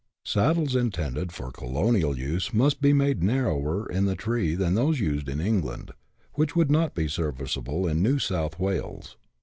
Saddles intended for colonial use must be made narrower in the tree than those used in England, which would not be serviceable in New South Wales.